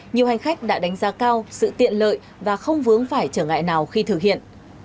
nhiều hành khách đã đánh giá cao sự tiện lợi và không vướng phải trở ngại nào khi thực hiện